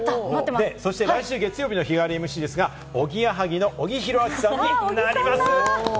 そして来週月曜日の日替わりＭＣはおぎやはぎの小木さんになります。